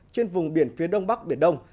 trên vùng biển phía đông bắc biển đông